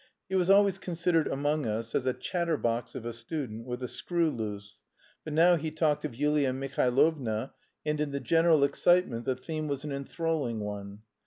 He was always considered among us as a "chatterbox of a student with a screw loose," but now he talked of Yulia Mihailovna, and in the general excitement the theme was an enthralling one.